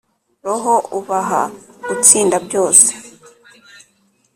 roho ubaha gutsinda byose